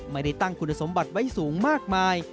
ไม่ได้ตั้งคุณสมบัติไว้สูงมากมาย